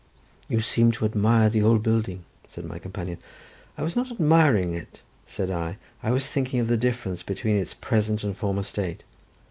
"You seem to admire the old building," said my companion. "I was not admiring it," said I; "I was thinking of the difference between its present and former state.